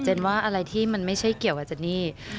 ว่าอะไรที่มันไม่ใช่เกี่ยวกับเจนนี่